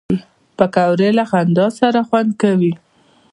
پکورې له خندا سره خوند کوي